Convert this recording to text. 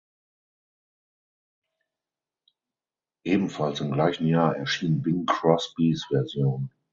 Ebenfalls im gleichen Jahr erschien Bing Crosbys Version.